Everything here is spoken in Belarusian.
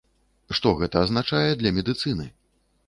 Што гэта азначае для медыцыны?